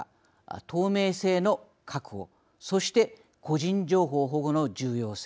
透明性の確保そして個人情報保護の重要性